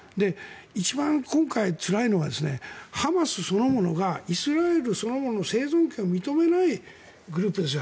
一番今回、つらいのがハマスそのものがイスラエルそのものの生存権を認めないグループですよ